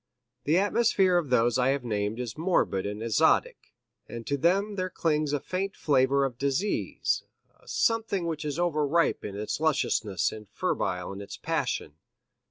The atmosphere of those I have named is morbid and azotic; to them there clings a faint flavor of disease, a something which is overripe in its lusciousness and febrile in its passion.